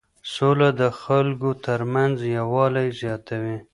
سوله د خلکو ترمنځ یووالی زیاتوي.